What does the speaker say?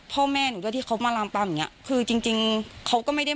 พ่อแม่หนูที่เขามาลามปรัมอย่างนี้คือจริงเขาก็ไม่ได้